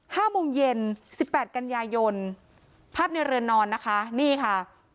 ห้าโมงเย็นสิบแปดกันยายนภาพในเรือนนอนนะคะนี่ค่ะ